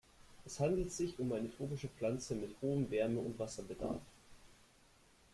Es handelt sich um eine tropische Pflanze mit hohem Wärme- und Wasserbedarf.